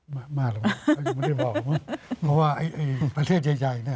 ไม่ไม่ไม่ไม่ได้บอกเพราะว่าไอ้ไอ้ประเทศใหญ่ใหญ่เนี้ย